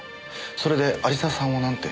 それで有沢さんはなんて？